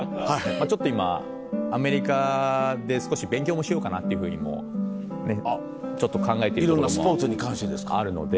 ちょっと今アメリカで少し勉強もしようかなっていうふうにもちょっと考えているのもあるので。